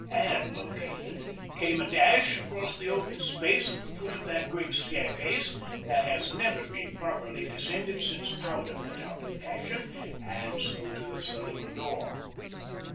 Ann located, came a dash across the open space at the foot of that great staircase that has never been properly descended since powder went out of fashion, and so to the saloon door.